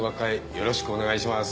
よろしくお願いします。